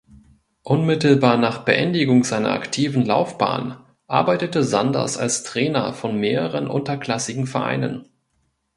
Unmittelbar nach Beendigung seiner aktiven Laufbahn arbeitete Sanders als Trainer von mehreren unterklassigen Vereinen.